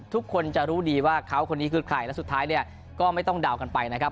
ทุกคนจะรู้ดีว่าเขาคนนี้คือใครและสุดท้ายเนี่ยก็ไม่ต้องเดากันไปนะครับ